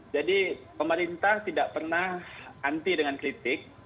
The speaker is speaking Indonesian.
jadi pemerintah tidak pernah anti dengan kritik